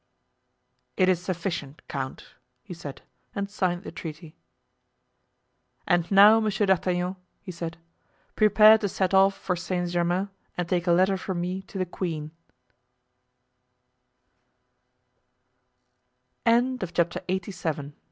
"It is sufficient, count," he said, and signed the treaty. "And now, Monsieur d'Artagnan," he said, "prepare to set off for Saint Germain and take a letter from me to the